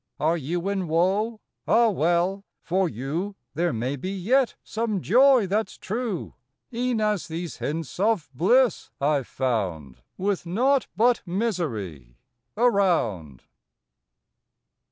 Are you in woe? Ah, well for you There may be yet some joy that s true, E en as these hints of bliss I ve found With naught but misery around.